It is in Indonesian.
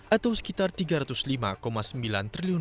atau sekitar rp tiga ratus lima sembilan triliun